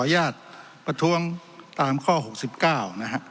ที่ดูได้ได้หลากขอแสดงครับ